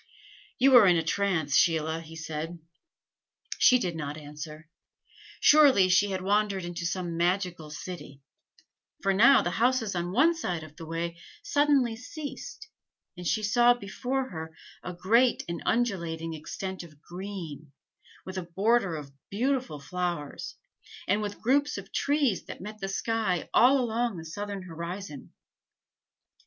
"You are in a trance, Sheila," he said. She did not answer. Surely she had wandered into some magical city, for now the houses on one side of the way suddenly ceased, and she saw before her a great and undulating extent of green, with a border of beautiful flowers, and with groups of trees that met the sky all along the southern horizon.